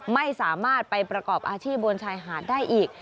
ไม่สามารถไปประกอบอาชีพบนชายหาดได้อีก